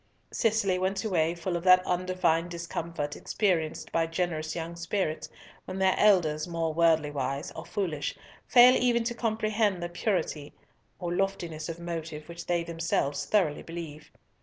Cicely went away full of that undefined discomfort experienced by generous young spirits when their elders, more worldly wise (or foolish), fail even to comprehend the purity or loftiness of motive which they themselves thoroughly believe.